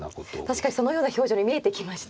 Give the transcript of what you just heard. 確かにそのような表情に見えてきました。